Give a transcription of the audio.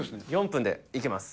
４分でいけます。